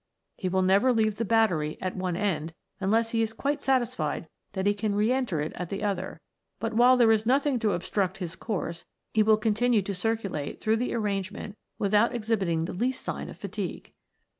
He will never leave the battery at one end unless he is quite satisfied that he can re enter it at the other, but while there is nothing to obstruct his course he will continue to circulate through the arrangement without exhibiting the least sign of fatigue.